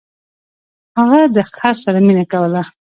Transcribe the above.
هغه د خر سره مینه کوله.